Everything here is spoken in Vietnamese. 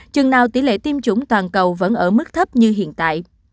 chừng nào tỷ lệ tiêm chủng toàn cầu vẫn ở mức thấp như hiện tại